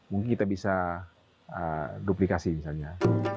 mungkin kita bisa duplikasi misalnya